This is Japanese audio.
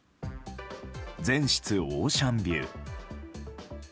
全室オーシャンビュー。